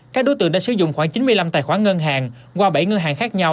các đối tượng đã sử dụng khoảng chín mươi năm tài khoản ngân hàng qua bảy ngân hàng khác nhau